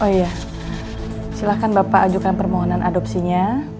oh iya silahkan bapak ajukan permohonan adopsinya